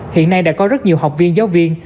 hiện nay đã có rất nhiều học viên giáo viên